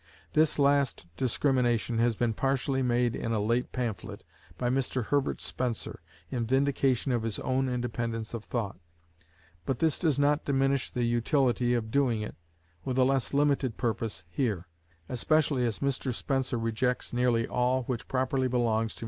This last discrimination has been partially made in a late pamphlet, by Mr Herbert Spencer, in vindication of his own independence of thought: but this does not diminish the utility of doing it, with a less limited purpose, here; especially as Mr Spencer rejects nearly all which properly belongs to M.